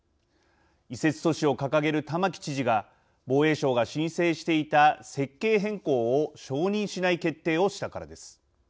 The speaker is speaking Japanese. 移設阻止を掲げる玉城知事が防衛省が申請していた設計変更を承認しない決定をしたからです。